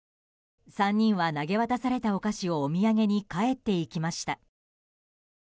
３人は投げ渡されたお菓子をお土産に帰っていきました。